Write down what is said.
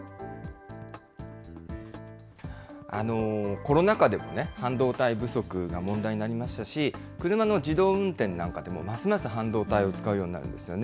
コロナ禍でも半導体不足が問題になりましたし、車の自動運転なんかでもますます半導体を使うようになるんですよね。